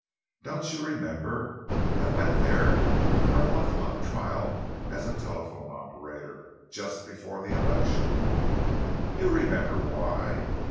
Don't you remember, I went there for a month on trial as telephone operator, just before the election? You remember why.